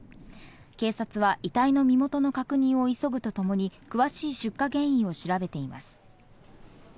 警察は遺体の身元の確認を急ぐとともに詳しい出火原因を調べています。